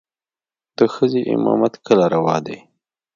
د ښځې امامت کله روا دى.